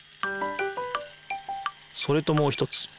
それともう一つ。